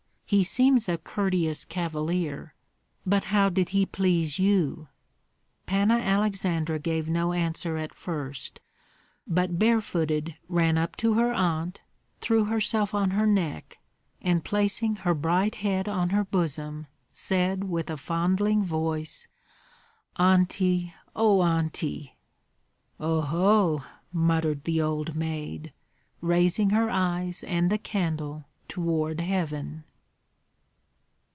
He seems a courteous cavalier. But how did he please you?" Panna Aleksandra gave no answer at first, but barefooted ran up to her aunt, threw herself on her neck, and placing her bright head on her bosom, said with a fondling voice, "Auntie, oh, Auntie!" "Oho!" muttered the old maid, raising her eyes and the candle toward heaven.